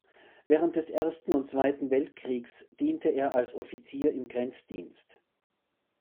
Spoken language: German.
Während des Ersten und Zweiten Weltkriegs diente er als Offizier im Grenzdienst.